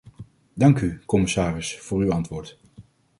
Dank u, commissaris, voor uw antwoord.